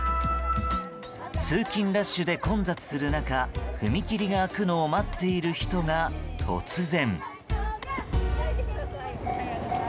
通勤ラッシュで混雑する中踏切が開くのを待っている人が突然。